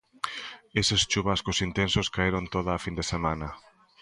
Eses chuvascos intensos caeron toda a fin de semana.